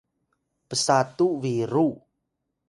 psatu biru